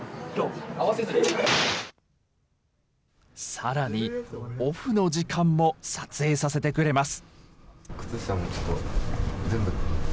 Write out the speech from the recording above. さらに、オフの時間も撮影させてくれます。